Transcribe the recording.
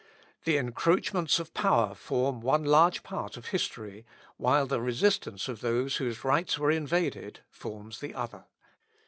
The encroachments of power form one large part of history, while the resistance of those whose rights were invaded forms the other.